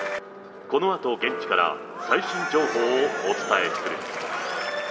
このあと現地から、最新情報をお伝えする。